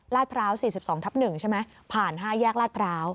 พร้าว๔๒ทับ๑ใช่ไหมผ่าน๕แยกลาดพร้าว